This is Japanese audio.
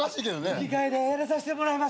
吹き替えやらさせてもらいます。